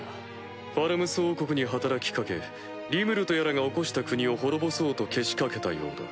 ファルムス王国に働きかけリムルとやらが興した国を滅ぼそうとけしかけたようだ。